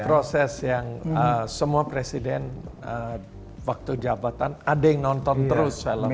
proses yang semua presiden waktu jabatan ada yang nonton terus film